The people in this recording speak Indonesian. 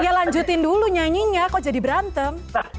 ya lanjutin dulu nyanyinya kok jadi berantem